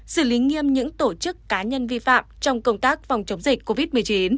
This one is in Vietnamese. xử lý nghiêm những tổ chức cá nhân vi phạm trong công tác phòng chống dịch covid một mươi chín